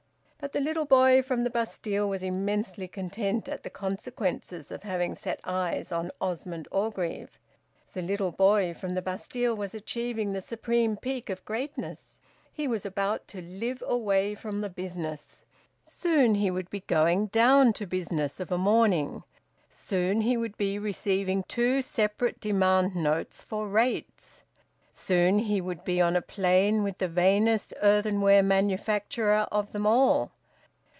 But the little boy from the Bastille was immensely content at the consequences of having set eyes on Osmond Orgreave. The little boy from the Bastille was achieving the supreme peak of greatness he was about to live away from business. Soon he would be `going down to business' of a morning. Soon he would be receiving two separate demand notes for rates. Soon he would be on a plane with the vainest earthenware manufacturer of them all.